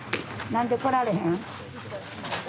何で来られへん？